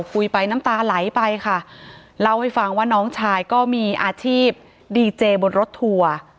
คุยไปน้ำตาไหลไปค่ะเล่าให้ฟังว่าน้องชายก็มีอาชีพดีเจบนรถทัวร์